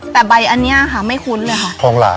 แต่ใบอันนี้ค่ะไม่คุ้นเลยค่ะทองหลา